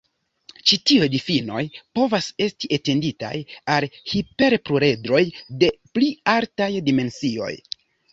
Ĉi tiuj difinoj povas esti etenditaj al hiperpluredroj de pli altaj dimensioj.